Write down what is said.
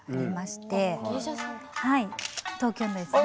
はい東京のですね。